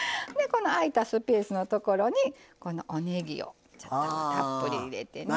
この空いたスペースのところにこのおねぎをたっぷり入れてね。